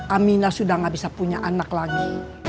aminah sudah tidak bisa punya anak lagi